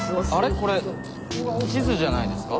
これ地図じゃないですか？